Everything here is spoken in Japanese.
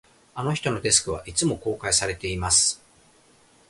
あの人のデスクは、いつも公開されています